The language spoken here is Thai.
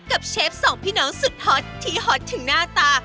เชฟสองพี่น้องสุดฮอตที่ฮอตถึงหน้าตา